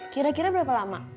kira kira berapa lama